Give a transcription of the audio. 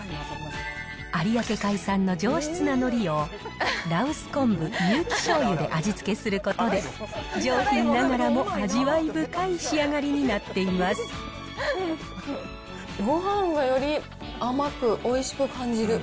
有明海産の上質なのりを、羅臼昆布、有機しょうゆで味付けすることで、上品ながらも味わい深い仕上がごはんがより甘く、おいしく感じる。